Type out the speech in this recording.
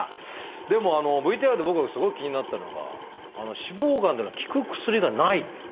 でもＶＴＲで僕すごい気になったのが脂肪肝っていうのは効く薬がないっていうことなんですね。